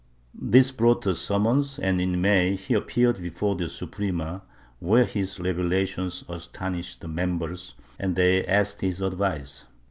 This brought a summons and in May he appeared before the Suprema, where his revelations astonished the members and they asked his advice.